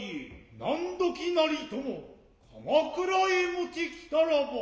何時なりとも鎌倉へ持ち来らば。